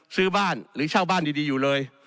ซื้อบ้านหรือเช่าบ้านดีอยู่เลย